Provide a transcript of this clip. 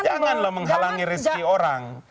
janganlah menghalangi rezeki orang